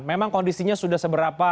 memang kondisinya sudah seberapa